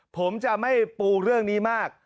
ผมจะไม่ปูเรื่องนี้มาก